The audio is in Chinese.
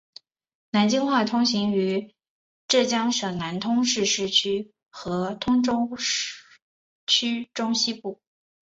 南通话通行于江苏省南通市市区和通州区中西部。